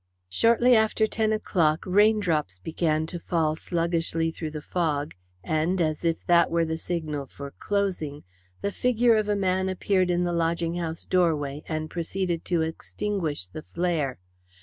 Shortly after ten o'clock raindrops began to fall sluggishly through the fog, and, as if that were the signal for closing, the figure of a man appeared in the lodging house doorway and proceeded to extinguish the flare.